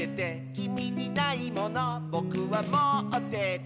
「きみにないものぼくはもってて」